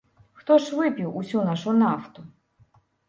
Хто ж выпіў усю нашу нафту?